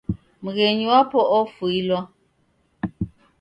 Mghenyu wapo ofuilwa.